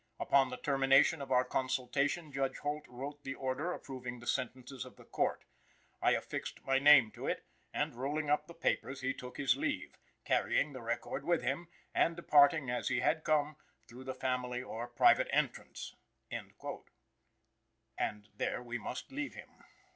"Upon the termination of our consultation, Judge Holt wrote the order approving the sentences of the Court. I affixed my name to it, and, rolling up the papers, he took his leave, carrying the record with him, and departing as he had come through the family or private entrance." And there we must leave him.